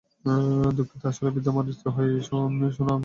দুঃখিত আসলে বৃদ্ধ মানুষ তো হেই, সোনা, আমি তোমার মেসেজ পেয়েছি।